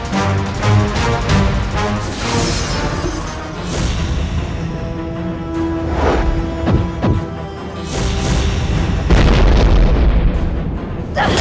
kau akan menang